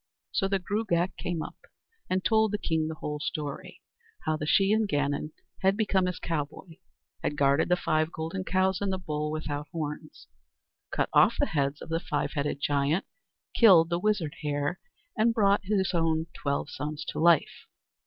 So the Gruagach came up and told the king the whole story, how the Shee an Gannon had become his cowboy, had guarded the five golden cows and the bull without horns, cut off the heads of the five headed giant, killed the wizard hare, and brought his own twelve sons to life.